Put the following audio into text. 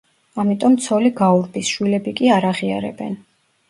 ამიტომ ცოლი გაურბის, შვილები კი არ აღიარებენ.